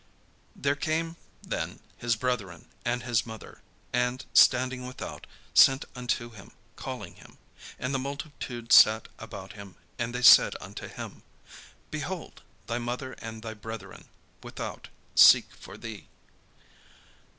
There came then his brethren and his mother, and, standing without, sent unto him, calling him. And the multitude sat about him, and they said unto him: "Behold, thy mother and thy brethren without seek for thee."